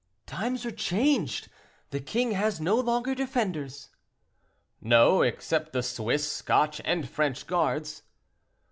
"Times are changed, the king has no longer defenders." "No; except the Swiss, Scotch, and French guards."